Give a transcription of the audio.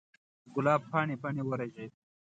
ګلاب پاڼې، پاڼې ورژید